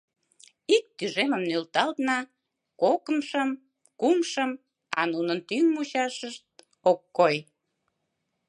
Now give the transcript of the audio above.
Ик тӱжемым нӧлталдна, кокымшым, кумшым, а нунын тӱҥ-мучашышт ок кой.